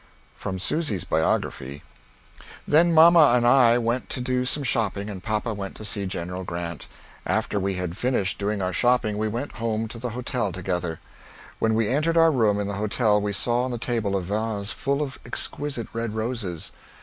From Susy's Biography. Then mamma and I went to do some shopping and papa went to see General Grant. After we had finnished doing our shopping we went home to the hotel together. When we entered our rooms in the hotel we saw on the table a vase full of exquisett red roses.